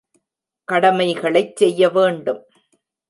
கடமைகளைச் செய்ய வேண்டும்.